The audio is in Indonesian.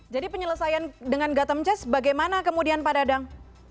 jadi penyelesaian dengan gatom cez bagaimana kemudian pak dadang